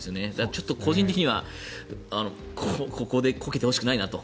ちょっと個人的にはここでこけてほしくないなと。